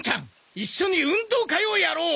一緒に運動会をやろう！